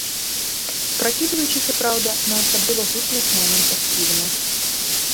Пракідваючыся, праўда, на асабліва гучных момантах фільма.